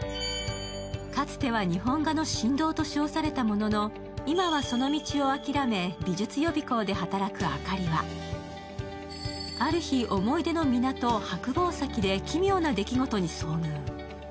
かつては日本画の神童と称されたものの今はその道を諦め美術予備校で働くあかりはある日、思い出の港、白吠埼で奇妙な出来事に遭遇。